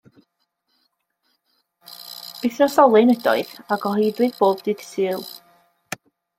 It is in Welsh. Wythnosolyn ydoedd a gyhoeddwyd bob dydd Sul.